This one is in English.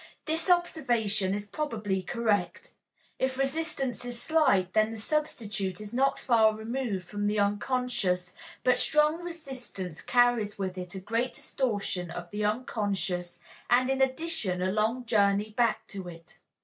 This observation is probably correct. If resistance is slight, then the substitute is not far removed from the unconscious, but strong resistance carries with it a great distortion of the unconscious and in addition a long journey back to it.